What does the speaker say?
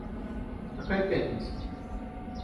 Какая пятница?